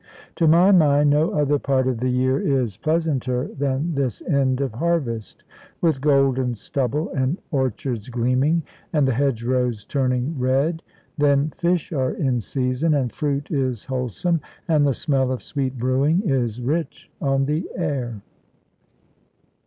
To my mind no other part of the year is pleasanter than this end of harvest, with golden stubble, and orchards gleaming, and the hedgerows turning red. Then fish are in season, and fruit is wholesome, and the smell of sweet brewing is rich on the air.